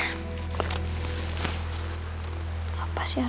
kenapa ada masalah